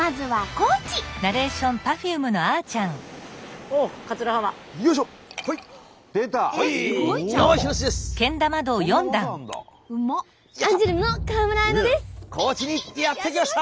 高知にやって来ました！